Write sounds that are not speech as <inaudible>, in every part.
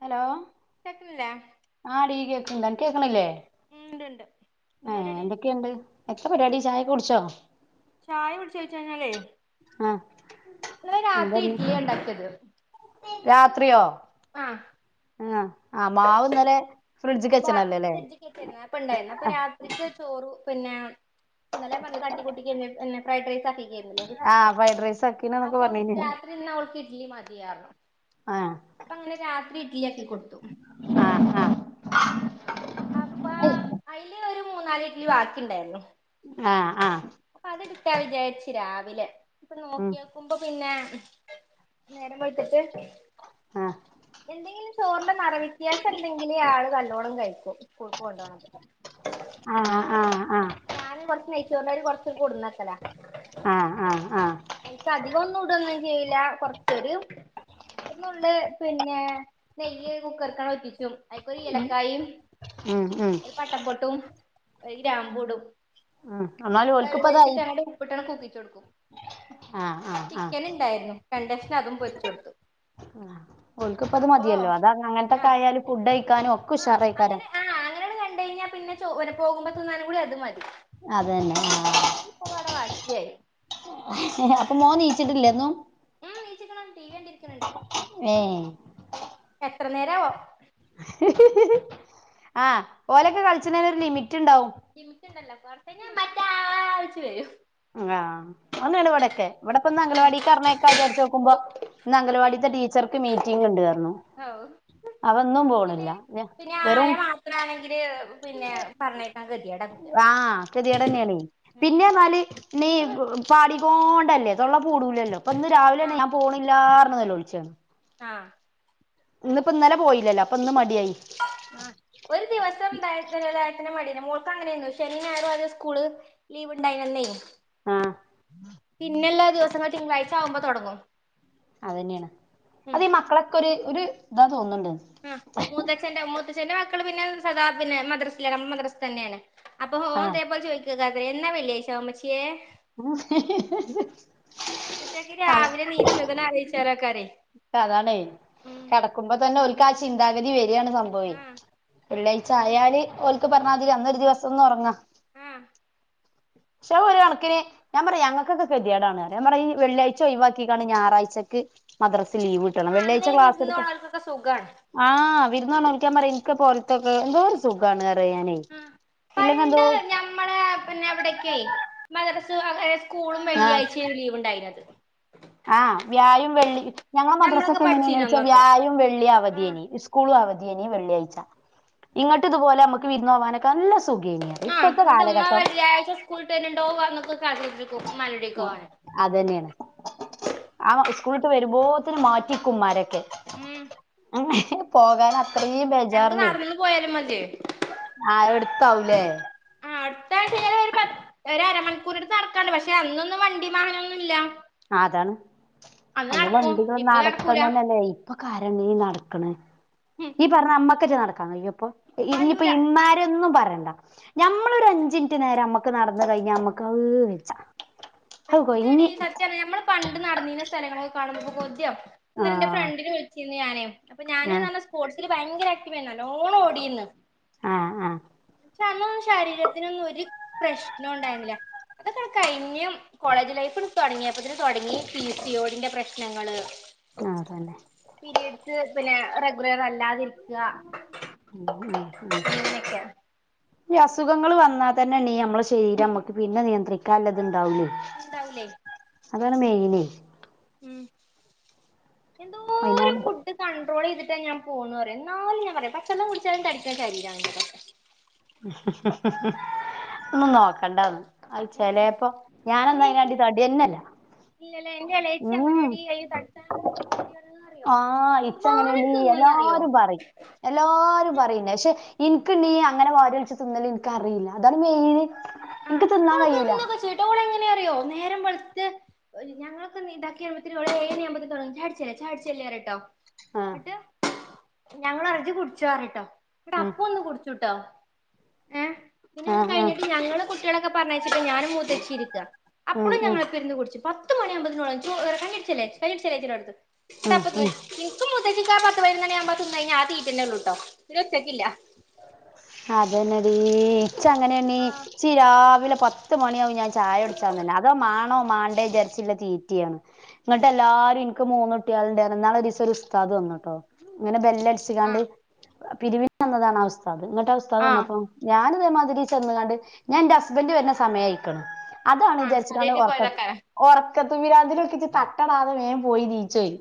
Hello കെക്കണില്ലേ ആടീ കേക്കുന്നുണ്ട് അനക് കേകുന്നിലെ ഉം ഇണ്ട്ണ്ട് എന്താ ആ പരിപാടി എന്തൊക്കെയുണ്ട് എത്താ പരിപാടി ചായ ഒക്കെ കുടിച്ചോ ചായ കുടിചോ ചോച് കഴിഞാലെയ് ആഹ് ഇന്നലെ രാത്രി ഇഡ്ഡലിയ ഉണ്ടാക്കിയത് രാത്രിയോ ആഹ് ആഹ് മാവ്ന്നലെ ബാക്കി ഫ്രൈഡേജ് ക്ക് വെച്ചികെന്നു അപ്പ ഇണ്ടായിരുന്ന അപ്പൊ രാത്രിക്ക് ചോറു പിന്നെ ഇന്നലെ ഞാൻ പറഞ്ഞലെ തട്ടികുട്ടികെന്നു പിന്നെ ഫ്രൈഡ് റൈസ് ആക്കിക്കർന്നിലെ ആ ഫ്രൈഡ് റൈസ് ആക്കീണ്ന്നൊക്കെ അപ്പോ പറഞ്ഞീനില്ലേ രാത്രി ഇന്ന് അവൾക്ക് ഇഡ്ലി മതി പറഞ്ഞു ആ അപ്പൊ അങ്ങനെ രാത്രി ഇഡ്ലി ആക്കി കൊടുത്തു ആ അപ്പ അതില് ഒരു മൂന്നാല് ഇഡ്ഡലി ബാക്കി ഉണ്ടായിരുന്നു ആഹ് ആഹ് അപ്പൊ അത് എടുക്കാ വിചാരിച്ചു രാവിലെ ഇപ്പൊ ഉം നോക്കിയ കുമ്പോ പിന്നെ നേരം വെളുത്തിട്ട് ആഹ് എന്തെങ്കിലും ചോറിന്റെ നിറ വ്യത്യാസം ഉണ്ടേങ്കിൽ ആള് നല്ലോണം കഴിക്കും സ്കൂൾക്ക് കൊണ്ടോണത് ആ ആ പിന്നെ ഞാനും കൊറച്ച് നയിച്ചോറിന്റരി കൊറച്ച് കൊടുന്നക്കല ആഹ് ആഹ് അയിക്ക് അധികം ഒന്നും ഇടൊന്നും ചെയ്ല കൊറച്ച് ഒരു നുള്ള് പിന്നെ നെയ്യ് കുക്കർക്കണ് ഉറ്റിച്ചു അയിൽക്കൊര് എലക്കായും ഉം ഉം ഒരു പട്ടപൊട്ടും ഒരു ഗ്രാമ്പൂടും. ആഹ് എന്നാലും ഓൽക്ക്പ്പതായി വെള്ളയ്ച്ച്ട്ട്ങ്ങട്ട് ഉപ്പിട്ടണ് കൂക്കിചോട്കും ആ ആ ആ ചിക്കൻ ണ്ടായ്രുന്നു. രണ്ടഷ്ണം അതും പൊരിച്ച്ടുത്ത്. ഓൽക്ക്പത് മതിഅല്ലോ അത ആ അങ്ങൻത്തെക്ക ആയാല് ഫുഡ്ഴിക്കാനും ഒക്കെ ഉഷാറയ്ക്കാരം ആഹ് അങ്ങനാണ് കണ്ട കഴിഞ്ഞാ പിന്നെ ചോ പോകുമ്പോ തിന്നാനു കൂടി അത് മതി. അതെന്നെ ആഹ് പ്പൊ വടെ വാക്ക്യായ്. അപ്പൊ മോ ണീച്ചിട്ടില്ലെന്നും മ് ണീച്ക്ണ് ടി വി കണ്ടിരിക്ക്‌ണ് ണ്ട് ഏഹ് എത്ര നേരവോ? ആഹ് ഓലൊക്കെ കളിച്ച്ണെന് ഒര് ലിമിറ്റ്ണ്ടാവും. ലിമിട്ടണ്ടല്ലോ കൊറച്ചഞാ ഇമ്മറ്റാ വിളിച്ച് വരും. ആഹ് ഒന്ന് ണവടെക്കെ. ഇവടെപ്പന്ന് അഗലവാടി കർണൈക്ക ചാര്ചോക്കുമ്പോ ഇന്ന് അഗലവാടീത്തെ ടീച്ചർക്ക് മീറ്റിംഗ്ണ്ട്ർണു. ഔഹ് പിന്നെ പിന്നെ ആയ വെറും മാത്ര ആണെങ്കില് പിന്നെ പറഞ്ഞയക്കാ ഗതിടെ കുട്ടികളെ ഗെതിടെന്നണെ പിന്നെ ന്നാല് നീ പാടികൊണ്ടല്ലേ തൊള്ള പൂടൂലല്ലോ പ്പന്ന് രാവിലെന്നെ ആഹ് ഞാ പോണില്ലാർണ് നോലോൾചാണ് ആഹ് ഇന്ന് പ്പൊ ഇന്നലെ പോയില്ലല്ലോ അപ്പൊന്ന് മടിയായി ആഹ് ഒരു ദിവസം ടയതിന് ടയത്തിന് മടിന്നെ മോൾക്ക് അങ്ങനെന്ന് ശനി ഞായർ ഒരു സ്കൂള് ലീവ് ണ്ടായ്നല്ലേ ആഹ് പിന്നെല്ലാ ദിവസങ്ങളു തിങ്കളാഴ്ച ആവുമ്പോ തൊടങ്ങും അതെന്നെണ് ഉം അതീ മക്കളൊക്കെ ഒരു ഒരു ഇതാ തോന്ന്ണ്ട് ആഹ് മൂത്തച്ഛന്റെ മൂത്തച്ഛന്റെ മക്കള് പിന്നെ സദാ പിന്നെ മദ്രസില്ണ് മദ്രസ് തന്നെണ് അപ്പൊ ആഹ് പോ ചോയ്ക്കാത്രെ എന്നാ വെള്ളി ആഴ്ച വാ ഉമ്മച്യേ ഇത്തെക്ക് രാവിലെ നീച്ച്ണത് ആലോയ്ച്നെകാരെ പ്പ അതാണെ കടക്കുമ്പോ തന്നെ ഓ കാ ചിന്താഗതി വെരാണ് സംഭവെ ആഹ് വെള്ളിആഴ്ച അയാല് ഓൽ ക്ക് പറണാതിരി അന്നൊരു ദിവസോന്ന് ഒറങ്ങാ ആഹ് ക്ഷെ ഒരണക്കിന് ഞാ പറയാ ഞങ്ങകൊക്കെ കെതിടാണ് ഞാ പറയു ഈ വെള്ളിയാഴ് ഒഴവാക്കിക്കാണ് ഞായറാഴ്ചക്ക് മദ്രസ് ലീവ് ട്കണം വെള്ളിയാഴ്ച അന്നേ ക്ലാസ് എട്കാ വിരുന്നോണോൽക്കൊക്കെ സുഖാണ് ആഹ് വിരുന്നൊണോക്കാ പറയും എൻക്ക് പോ ഓൽകെക്കെ എന്തോര് സുഖാണ്റയാ ഞാനെ ആഹ് ഇല്ലെങ്ക എന്തോ മദ്റസും അ സ്കൂളും ആഹ് വെള്ളിയായ്ചാണ് ലീവ് ണ്ടായിര്ന്നത് ആഹ് വ്യായും വെള്ളി ഞങ്ങളെ ഞമ്മളൊക്കെ മദ്രാസൊക്കെ പഠിച്ചീനു എങ്ങനെണ്ചാ അന്നൊക്കെ വ്യായും വെള്ളീം അവധി ആഹ് അനി സ്കൂളും അവധി ഏനി വെള്ളിയാഴ്ച ഇന്നട്ട ഇതുപോലെ അമക്ക് വിര്ന്നൊവാനൊക്കെ നല്ല സുഖേനിയ ആഹ് ന്ന്ട്ട് മ്മ വെള്ളിആയാഴ്ച സ്കൂൾ ട്ടെര്ണ്ടോ <unintelligible> ഇമ്മന്റ ഈട്ടിക്കോവാന് അതന്നെയാണ് ആഹ് സ്കൂൾട്ട് വെരുമ്പോത്തിന് മാറ്റിക്കുമ്മാരൊക്കെ ഉം ഹെ പോകൻ ആഹ് അത്രേം ഞങ്ങക്ക് ബേജാർലെ നടന്ന് പോയാലും മതിയേ ആഹ് എടുത്താവുലെ ആഹ് അടുത്ത ആഴ്ച്ച ഏറ്യാലൊര് പത് ഒരരമണിക്കൂർട്ത്ത് അട്ക്കാണ്ട് പക്ഷെ അന്നൊന്നും വണ്ടിം വാഹനന്നുംല്ല ആഹ് അതാണ് അന്ന് വണ്ടികളൾ ഇപ്പൊ നടത്തം നടക്കൂല തന്നെല്ലേയ് പ്പൊകൊരണ് നടക്ക്ണ് ഉം ഈ പറഞ്ഞ മ്മക്കെജ്ജ നടക്കാകയ്യോപ്പൊ ഇഞ്ഞിപ്പോ കയ്യൂല ഇമ്മാരെന്നും പറയണ്ട ഞമ്മളൊരു അഞ്ചിൻറ്റ് നേരം നമ്മക്ക് നടന്ന് കഴിഞ്ഞ നമ്മക്ക് അഹ് വെജ്ജ ഹൊ വെജ്ജെടി കൊയ്ങ്ങി സത്യാണ് ഞമ്മള് പണ്ട് നട്ന്നീന്ന സ്ഥലങ്ങളൊ കാണ്ബൊ കൊത്യകും ആ ഇന്നലെന്റെ ഫ്രണ്ടിന് വിളിച്ചിന് ഞാന് അപ്പൊ ഞാന് ആ ന്നസ്പോർട്സില് ഭയങ്കര ആക്റ്റീവേന്ന് ന്നല്ലോണോടിന്ന് ആഹ് ആഹ് ക്ഷ അന്നൊന്നും ശരീരത്തിനൊന്നും ഒര് പ്രശ്നൊണ്ടായിര്ന്നില്ല അതൊക്കെ കഴിഞ്ഞും കോളേജ് ലൈഫ്ണ്ട് തൊടങ്ങിയപ്പത്ന് തൊടങ്ങി പിസിയോടിന്റെ പ്രശ്നങ്ങള് ആഹ് അതന്നെ പീരിയെഡ്സ് പിന്നെ റെഗുലർ അല്ലാതിരികാ ഉ ഉം ഈ അസുഖങ്ങള് വന്നാതന്നെണീ അമ്മളെ ശരീരം അമ്മക്ക് പിന്നെ നിയന്ത്രിക്കാല്ലത് ണ്ടാവുലെയ് ഇണ്ടാവുലെ അതാണ്‌ മെയിന് ഉം എന്തോ പൈനാല് ന്ത്‌ കണ്ട്രോളെയ്തിട്ടാ ഞാപോന്ന്റിയോ ന്നാലും ഞാൻപറിയ പച്ചെള്ളംകുടിച്ചാലും തടിക്കണ ശരീരാൻന്റേത് ന്നുംനോക്കണ്ടന്ന് അയ് ചെലേപ്പൊ ഞാനൊന്നും അയിന്നാണ്ടി തടിയെനെല്ല്യ ഇല്ലലേ എന്റെ എളേച്ചി അങ്ങനേടി അയ്‌ന് തടിചാൻ <unintelligible> പൂതിയണ്ന്നറിയോ ആഹ് ഇച്ച അങ്ങനെയടി എന്ത്മാതിരിത്തിന്നും ന്നറിയോ എല്ലാരും പറയും എല്ലാരും പറയുന്നെ ക്ഷെ ഇന്ക്ക്ണ്ണി അങ്ങനെ വാരിവൽച്ച് തിന്നല് ഇൻക്കറീല്ല അതാണ് മെയിന് ഇൻക്ക് തിന്നാൻ കഴ്യൂല തോളെങ്ങനെറിയോ നേരം വെൾത്ത് ഒര് ഞങ്ങളൊക്കെന്ന് ഇണ്ടാക്കിവരുമ്പോതീന്ന് ഓള് ഒരുഏഴണിആകുമ്പോതിന് തൊടങ്ങും ചായട്ച്ചല്ലെ ചായട്ച്ചല്ലേറട്ടോ ആഹ് ന്ന്ട്ട് ഞങ്ങളറിം ഇജ്ജ് കുടിചോറിട്ടോ ഉം ന്ന്ട്ടപ്പോന്ന് കുട് ചുട്ടോ ഏഹ് പിന്നെ അത് ആഹ് ആഹ് കഴിഞ്ഞിട്ട് ഞങ്ങള് കുട്ട്യേളെക്കെ പറ്ഞ്ഞയച്ചിട്ട് ഞാനും മുത്തച്ചിരിക്ക ഉം അപ്പളും ഉം ഞങ്ങളൊപ്പര്ന്ന് കുട്ച്ചും പത്ത് മണി ആവുമ്പോതിന്ന് ഓളറിം ചോറ് കഞ്ഞിട്ച്ചല്ലേ കഞ്ഞിട്ച്ചല്ലെച്ച്ടടക്കും ഉം ഇതപോക്ക് ഉം ഇന്ക്കും മൂത്തച്ചിക്കും ആ പത്ത്പെയിനൊന്ന്ണിആഉമ്പ തിന്നഴിഞ്ഞ ആ തീറ്റന്നെ ഉള്ളൂട്ടോ പിനെച്ചയ്ക്കില്ല അതന്നെടി ച്ചങ്ങനേണ്ണി ആഹ് ച്ചിരാവിലെ പത്ത് മണിയാവും ഞാൻ ചായട്ച്ചാൻതന്നെ അതോ മാണോ മാണ്ടെചാർച്ച്ള്ള തീറ്റിയാണ് ഇങ്ങട്ടെ ല്ലാരും ഇന് ക്ക്മൂന്നുട്ടിള്ണ്ടാർന്ന് ഇന്നാളൊരീസം ഒരു ഉസ്താദ് വന്നുട്ടോ ഇങ്ങനെ ബെല്ലെട്ച്ച് കാണ്ട് ആഹ് പിരിവിനന്നതാണ് ആ ഉസ്താദ് ന്ന്ട്ട് ആഹ് ഉസ്താദ് വന്നപ്പോ ഞാനിതെമാതിരീ ചെന്ന്കാണ്ട് ഞാന്റെ ഹസ്ബൻഡറ് വെര്ന്ന സമയായിക്ക്ണ് ആഹ് അതാണ്ജാര്ച്ച്കാണ്ട് അതേറ്റി ഒർക്ക പോയതക്കാരം ഒർക്കത്ത്‌ പിരാന്ത്ല് ചിട്ട് തട്ടടാതെ വേം പോയി നീചെയ്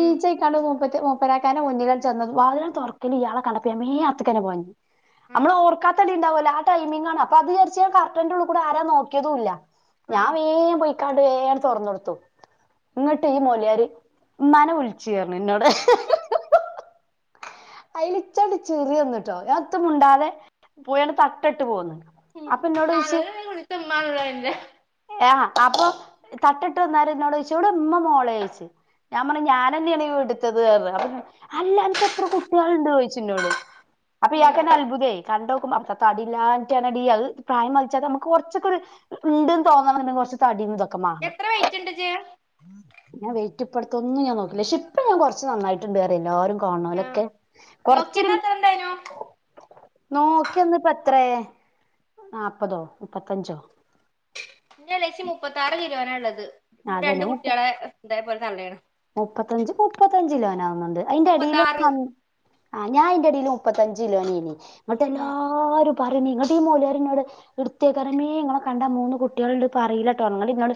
ഉം കണ് മൂപത് മൂപ്പരാക്കാനെ മുന്നില് ചെന്ന്തും വതിലാൻഡ്‌തൊർക്കല്ലിയാളെ കണ്ടപ്പോ മ്മേം അവുത്ക്കെന്നെപോയി ഉം അമ്മളോർക്കാത്തടി ഇണ്ടാവൊല്ല ആ ടൈമിങ്ങാണ് അപ്പൊ അത്ചാർച്ച് കർട്ടന്റെ ഉള്കൂടെ ആരാ നോക്കിതുല്ല ആഹ് ഞാവേം പൊയ്ക്കാണ്ട് വേണ്ട്തൊർന്നോടുത്തു ന്ന്ട്ട്ഈ മോല്യേര് മ്മാനെ വ്ൾച്ച്ർഞ്ന്നോട്‌ അയില് ഇജ്ജാണ്ട് ചിരിയെന്നുട്ടോ ഞാനതും മുണ്ടാതെ പോയാണ്ട്തട്ടട്ട് പോന്നു ഉം അപ്പോന്നോടോയിച്ച് ഞാനൊരു കുളിച്ചമ്മാനുള്ള എന്റെ യെണോ അപ്പൊ തട്ടിട്ട് വന്നാരെഇന്നോടോയിച്ചു ടെമ്മമോളെയ് ഞാംപർഞ്ഞ് ഞാനന്നെണ് വീട്ട്തത് അർഞ് അപ്പ അല്ലഅന്ക്ക് എത്രകുട്ടിയാൾണ്ടോയിച്ചിന്നോട് അപ്പൊ ഉം ഇയാക്കെന്നെ അത്ഭുതേ കണ്ടോക്കുമ്പ അപ്പോ തടില്ലാൻറ്റടി അഹ് പ്രായംമതിച്ചത് നമുക്ക് കൊറ്ച്ചൊകൊരു ണ്ട്ന്ന് തോന്നണം ന്നെണെങ്കിൽ കുറച്ച് തടിയഇതൊക്കെ മാണം എത്ര വെയിറ്റ്ണ്ട് ഇജ്ജ് ഞാൻ വേറ്റപ്പടുത്ത് ഒന്നും ഞാൻ നോക്കില്ല പഷെ ഇപ്പ ഞാൻ കുറച്ച് നന്നായിട്ട്ണ്ട്ന്നറീ എല്ലാരും പോണലൊക്കെ കൊറച്ചൊരു തരും നോക്കിയന്ന്പ്പത്രേ നാപ്പതോ മുപ്പത്തഞ്ചോ ഇന്റളച്ചി മുപ്പത്താറ് കീലോനള്ളത് രണ്ട് അതന്നെ മുപ്പ കുട്ട്യാളെ ഇതേപോലെ തള്ളേണ് മുപ്പത്തഞ്ച് മുപ്പത്തഞ്ചിലോനാവുന്നുണ്ട് അയ്ന്റെ അടിയ്ൽ മുപ്പത്താറ് <unintelligible> ആഹ് ഞാൻന്റെ ടീൽ മുപ്പത്തഞ്ച് കിലോനീനി എന്നട്ടല്ലോ ആര് പറഞ്ഞങ്ങ ഈ മോല്യാരി നോട് ഇട്ത്തേക്ക് പറഞ്ഞു ഇങ്ങളെ കണ്ടാൽ മൂന്ന് കുട്ട്യാൾ ഇണ്ടന്ന് പറീല്ലട്ടോ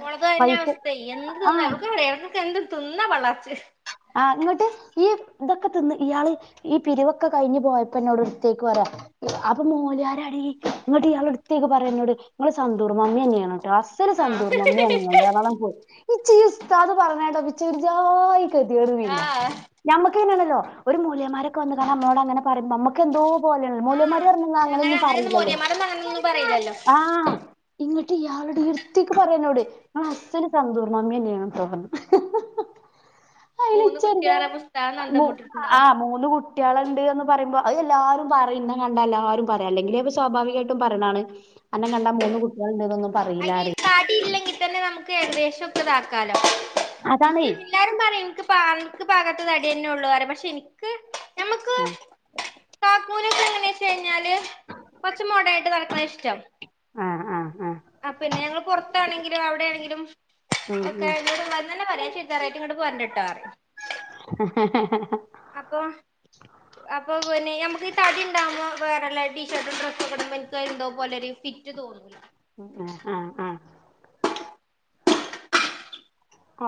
ഓളത് അതന്നെ അവസ്ഥ എന്ത് തിന്നാ അവർക്ക് പറക്കെ എന്ത് തിന്നാ പള്ളർച്ച് ആഹ് ഇങ്ങോട്ട് ഈ ഇതൊക്കെ തിന്ന് ഇയാള് ഈ പിരിവൊക്കെ കഴിഞ്ഞ് പോയപ്പോ എന്നോട് അടുത്തേക്ക് പോരാ അത് മൊല്യരാ ഡീ ഇന്നട്ട് ഇയാള് <unintelligible> ടുത്തേക്ക് പറയന്നോട് നിങ്ങൾ സന്തൂർ മമ്മി തന്നെയാണ് അസ്സൽ സന്തൂർ ആഹ് മമ്മിയാണ് ഇങ്ങക്ക് ന്ന് പറഞ്ഞക്കാണ്ടങ്ങട്ട് പോയി. ഇച്ച് ഈ ഉസ്താദ് പറഞ്ഞത് കേട്ടപ്പോൾ ഓർച്ചാതി ആയി <unintelligible> പിന്നെ നഞമ്മക്ക്നെയാണല്ലോ ഒരു മൊല്യമാരൊക്കെ വന്ന് നമ്മോട് അങ്ങനെ പറയ്മ്പോ <unintelligible> എന്തോ പോല മൊല്യമാരി ആഹ് പറഞ്ഞ അങ്ങനെ അങ്ങനെന്നും അങ്ങനെയൊന്നും പറയില്ലല്ലോ മോരിയന്മാരൊന്നും അങ്ങനൊന്നും പറയില്ലല്ലോ ആഹ് ഇങ്ങിട്ട് ഇയാളുടെ ഇടുത്തേക്ക് പറയാനോട് ഇങ്ങള് അസ്സല് സന്തൂർ അമ്മിന്നെയാണ് ട്ടൊ അയിൽ മൂന്ന് ഇച്ചഞ്ച കുട്ടികളാറ പുസ്തകം നന്തം മുട്ടിട്ടുണ്ടാവും ആഹ് മൂന്ന് കു കുട്ട്യാള്ണ്ട് എന്ന് പറയ്മ്പോ അത് എല്ലാവാരും പറയും ഇന്ന കണ്ടാ എല്ലാവാരും പറയും അല്ലെങ്കിലിൽ ഇപ്പൊ സ്വാഭാവികമായിട്ടും പറയണാണ് അന്ന കണ്ടാ മൂന്ന് കുട്ട്യാൾണ്ടെ ന്നും അയിന് പറീല്ലന്ന് ഈ പറയും തടി <unintelligible> നമുക്ക് ഏകദേശം ഒക്കെ ഇതാകാലോ അതാണേ <unintelligible> എല്ലാരും <unintelligible> <unintelligible> ഭാഗത്ത് തടി തന്നെ ഉള്ളൂ പക്ഷെ എനിക്ക് ഞമുക്ക് ഉം കാകൂനൊക്ക എങ്ങനെ വെച്ച കഴിഞ്ഞാല് കൊറച്ച മോടാനായിട്ട് നടക്കുന്നത് അഹ് ഷ്ടം ആഹ് ആഹ് ആഹ് ആഹ് പിന്നെ ഞങ്ങള്ൾ പുറത്താണെങ്കിലും അവിടെയാണെങ്കിലും ഉം ഉം ഓക്കെട്ടട് വന്ന്ന്നെ പറയാം ചരിച്ചാറേട്ട ഇങ്ങട്ട പോ ഇട്ടാറ <unintelligible> അപ്പം അപ്പൊ പിന്നെ നമുക്ക് ഈ തടി ഉണ്ടാവുമ്പോ വേറെല്ല ടീ ഷർട്ടും ഡ്രസ്സൊക്കെ ടുമ്പോ എനിക്ക് എന്തോ പോലെ ഒരു ഫിറ്റ് ഫിറ്റ് തോന്നുല്ല ഉം ആഹ് ആഹ്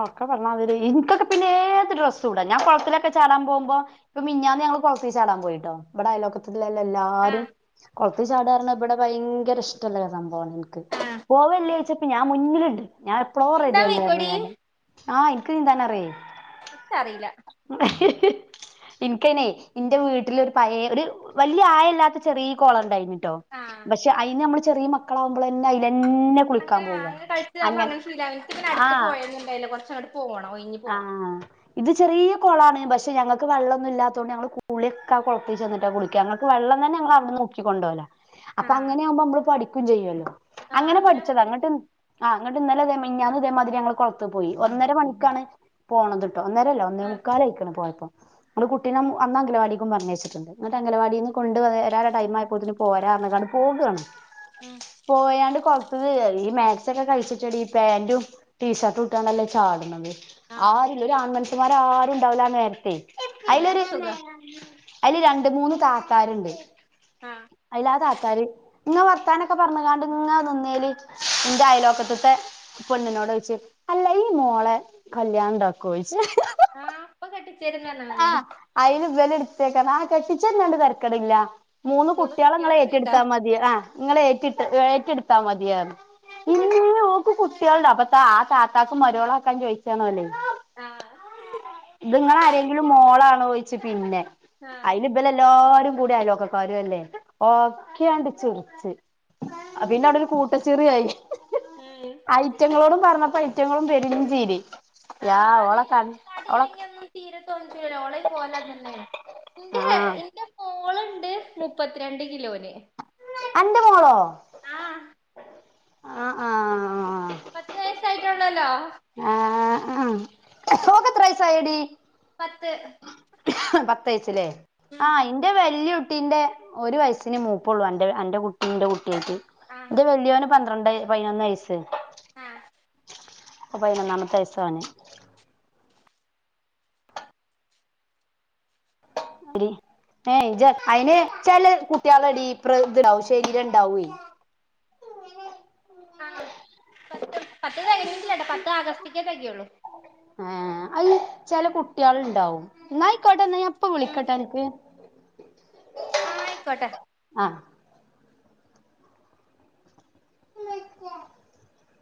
ഓർക്കെ പറഞ്ഞാതി ഇനിക്കൊക്കെ പിന്നെ ഏത് ഡ്രസ്സ് ഇട ഞാൻ കുളത്തിലൊക്കെ ചാ ടാൻ പോകുമ്പോ ഇപ്പം മിന്നാന്ന് ഞങ്ങൾ കുളത്തി ചാടാൻ പോയിട്ടോ ഇവിടെ അയലോക്കത്തില്ല എല്ലാരും ആഹ് കുളത്തി ചാടാ പറഞ്ഞ ഇവിടെ ഭയങ്കര ഇഷ്ടല്ല സംഭവമാണ് എനിക്ക് ആഹ് പോവല്ലേ ചോയിച്ചപ്പ ഞാൻ മുന്നിലുണ്ട് ഞാൻ എപ്പളോ നീന്താൻ റെഡിയാണ് വെയ്ക്കോടി ഞാന് ആഹ് എനിക്ക് നീന്താൻ അറിയേ ഇച്ച അറിയില്ല അ <unintelligible> എനിക്കയിനെ എന്റെ വീട്ടിലരു പയ ഒരു വലിയ ആയല്ലാത്ത ചെറിയ കോളം ഉണ്ടായിന് ട്ടോ ആഹ് പക്ഷെ അയിനു നമ്മള് ചെറിയ മക്കളാാവുമ്പോ തന്നെ <unintelligible> അങ്ങന ആ അങ്ങന കളിച്ച്താകുമ്പോ അങ്ങനെ ശീലാ വും ഇൻക്ക് പിന്നെ അടുത്ത് ആഹ് പൊയ ഒന്നും ഉണ്ടായിരുന്നില്ല കുറച്ച അങ്ങോട്ട പോണോ ഇ ആഹ് ഇത് ചെറിയ കുളാണ് പക്ഷേ ഞങ്ങൾക്ക് വെള്ളൊന്നും ഇല്ലാത കൊണ്ട് ഞങ്ങൾ കുളി ഒക്കെ ആഹ് കുളത്തേ ചെന്നിട്ടാ കുളിക്ക <unintelligible> വെള്ളം തന്നെഞങ്ങളവിടന്ന് മുക്കിക്കണ്ട് പോകല്ല അപ്പൊ ആഹ് അങ്ങനെ ആവുമ്പോ മ്മള് പഠിക്കും ചെയ്യുവല്ലോ ആഹ് അങ്ങനെ അങ്ങനാവുമ്പോ പഠിച്ചത് പഠിക്ക് അങ്ങട്ട് ആഹ് എന്നട്ട് ഇന്നലെ അതേ ഞാനൻ ഇതേമാതിരി ഞങ്ങൾ കൊളത്ത് പോയി ഒന്നര മണിക്കാണ് പോണത് ട്ടോ ഒന്നേരല്ലോ ഒന്നേ ആഹ് മുക്കാലയിക്കണ പോയപ്പോം നമ്മള് കുട്ടീനും അന്ന് അംഗലവാടിക്കും പറഞ്ഞച്ചിട്ടുണ്ട് അംഗവാടിൽന്ന് കൊണ്ട് വരാ ടൈ ആയപ്പോന് പോരാന്ന് കാണ്ട് പോകാണ് ഉം പോയാണ്ട് കൊഴപ്പവില്ല ഈ മാക്സ് ഒക്കെ കളിച്ചിട്ടടി പാന്റും ടീഷർട്ടു ഇട്ടാണ്ടല്ലേ ചാടണത് ആഹ് ആരുല്ല ഒരു ആൺമനുഷ്യമാര് ആരുണ്ടാവില്ലാനേരത്തെ അയ്ലൊരു അങ്ങനാവുമ്പോ സുഖാ അയ്ല് രണ്ട് മൂന്ന് കാക്കാരുണ്ട് ആഹ് അയിലാ കാക്കാര് ഇങ്ങ വർത്താനൊക്കെ പറഞ്ഞുങ്ങാണ്ട് ഇങ്ങ നിന്നേല് എന്റെ അയലോക്കത്തത്തെ പെണ്ണിനോട് ചോയ്ച്ച് അല്ല ഈ മോളെ കല്യാണണ്ടാക്കുവോ ചോയ്ച്ച് ആഹ് അപ്പൊ കെട്ടിച്ചരുന്ന് പറഞ്ഞാ മതിയാനു അയ്ല് ഇവല് എടുത്തേക്ക ആഹ് കെട്ടിച്ചര്ന്നണ്ട് തെരക്കേടില്ല മൂന്ന് കുട്ടികളെ നിങ്ങള് കുട്ട്യാള് ഫ്രീണ്ടാ ഏറ്റെടുത്താ മതി ആഹ് നിങ്ങള് ഏറ്റിട്ട് ഏറ്റെടുത്താ മതിയാർന്നു ഇന്നീ ഓക്ക് കുട്ടികളുണ്ടോ അപ്പ ത്താ ആ താത്താക്ക് മരുമോളാക്കാൻ ചോദിച്ചതാണോല് ആഹ് നിങ്ങള് ആരെങ്കിലും മോളാണോ ചോയിച്ച് പിന്നെ ആഹ് അയ്ന് ഇവരെല്ലാരും കൂടിയ ആയൽവക്ക കാരും അല്ലെ ഒക്കെ അങ്ങട്ട് ചിറിച്ച് അ പിന്നെ അവിടെ ഒരു കൂട്ട ചിറിയായി ഹേയ് അയ്റ്റങ്ങളോടും പറഞ്ഞപ്പ അയ്റ്റങ്ങളും പെരിംഞ്ചീരി യാ ആഹ് അത് ഓളക്കണ് തടി ഓള ഇല്ലെങ്കി ഒന്നും തീരെ തോൽച്ച്വിടാ ഓൽടെം കോലം അത് തന്നെണ് ന്റെ ഹെയർ ആഹ് ന്റെ മോളുണ്ട് മുപ്പത്തിരണ്ട് കിലോന് അന്റെ മോളോ ആഹ് അഹ് ആഹ് പത്ത് വയസ്സായിട്ടൊള്ളല്ലോ ആഹ് ആഹ് ഓക്ക്‌ എത്ര വയസ്സായടി പത്ത് പത്തുയച്ചല്ലേ ഉം ആഹ് എന്റെ വല്യ കുട് ട്ടീന്റെ ഒരു വയസിന് മൂപ്പുള്ളു അന്റ് അന്റെ കുട്ടീ എന്റെ കുട്ടിയായിട്ട് ആഹ് ന്റെ വല്യോന് പന്ത്രണ്ട് പയ്നൊന്ന് വയസ്സ് ആഹ് ഇപ്പോ പൈനൊന്നാമത്തെ വയസ്സ് ഓന് എടി ഏഹ് ജ്ജ് അയ്ന് ച്ചൊല് കുട്ടികള് ഡീപ്ര ഇത്ണ്ടാവും ശരീരണ്ടാകുവേ ആഹ് പത്ത് പത്ത് കഴിഞ്ഞിട്ടില്ലട്ടോ പത്ത് ആഗസ്റ്റിക്കേ കഴിയൊള്ളൂ ആഹ് അയ് ചെല കുട്ടികളുണ്ടാവും ന്നായിക്കോട്ടേ എന്നാ ഞാൻ പ് ഇപ്പ ഉം വിളിക്കട്ട എൻക്ക് ആയിക്കോട്ടെ ആഹ് <inaudible>